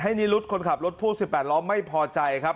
นิรุธคนขับรถพ่วง๑๘ล้อไม่พอใจครับ